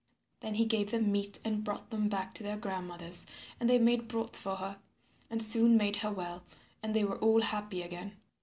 Then he gave them meat and brought them back to their grandmother. And they made broth for her and soon made her well, and they were all happy again.